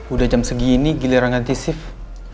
udah jam segini giliran ganti shift